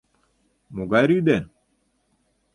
— Могай рӱдӧ?